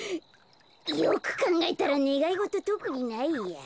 よくかんがえたらねがいごととくにないや。